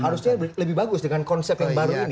harusnya lebih bagus dengan konsep yang baru ini